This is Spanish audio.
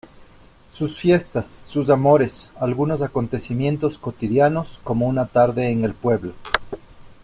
Sus fiestas, sus amores, algunos acontecimientos cotidianos como una tarde en el pueblo.